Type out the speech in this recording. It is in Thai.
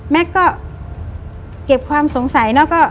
แม็กซ์ก็เก็บความสงสัย